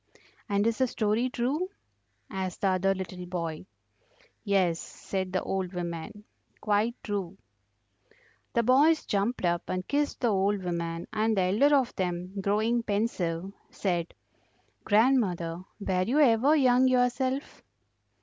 "And is the story true?" asked the other little boy. "Yes," said the old woman, "quite true." The boys jumped up and kissed the old woman, and the elder of them, growing pensive, said: "Grandmother, were you ever young yourself?"